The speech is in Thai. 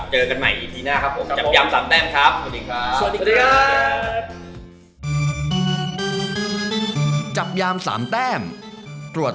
เจอกันใหม่อีทีหน้าครับผมจับยามสามแต้มครับ